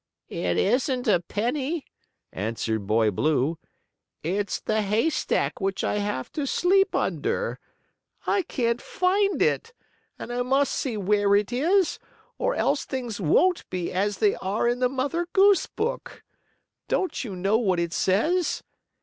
"It isn't a penny," answered Boy Blue. "It's the hay stack which I have to sleep under. I can't find it, and I must see where it is or else things won't be as they are in the Mother Goose book. Don't you know what it says?"